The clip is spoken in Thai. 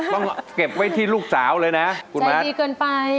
ต้องเก็บไว้ที่ลูกสาวเลยนะคุณม้าดีเกินไป